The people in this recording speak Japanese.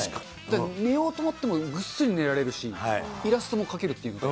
寝ようと思ってもぐっすり寝られるし、イラストも描けるっていう。